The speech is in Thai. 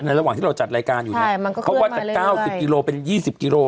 ในระหว่างที่เราจัดรายการอยู่เนี้ยใช่มันก็เคลื่อนมาเรื่อยเพราะว่าจากเก้าสิบกิโลเป็นยี่สิบกิโล